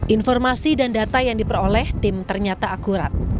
informasi dan data yang diperoleh tim ternyata akurat